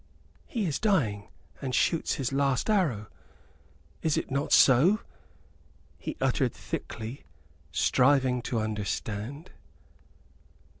"He is dying and shoots his last arrow is it not so?" he uttered thickly, striving to understand.